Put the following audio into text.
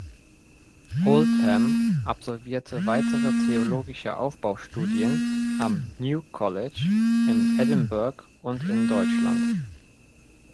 Oldham absolvierte weitere theologische Aufbaustudien am "New College" in Edinburgh und in Deutschland.